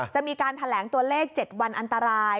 จะมีการแถลงตัวเลข๗วันอันตราย